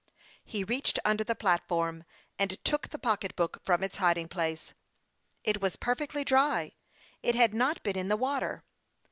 He reached under the platform, and took the pocketbook from its hiding place. It was perfectly dry ; it ,had not been in the water.